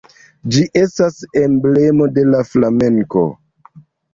Ĝi estas emblemo de la Flamenko.